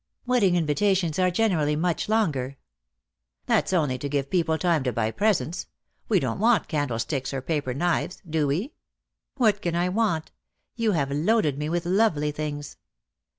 "Wedding invitations are generally much longer." "That's only to give people time to buy presents. We don't want candlesticks or paper knives, do we?" "What can I want? You have loaded me with lovely things."